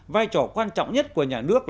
vai trò quan trọng nhất của nhà nước